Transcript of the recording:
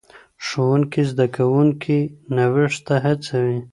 ښوونکی زدهکوونکي نوښت ته هڅوي.